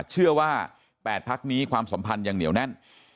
เชื่อว่า๘พักนี้ความสัมพันธ์ยังเหนียวแน่น